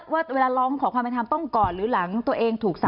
ว่าเวลาร้องขอความเป็นธรรมต้องก่อนหรือหลังตัวเองถูกสั่ง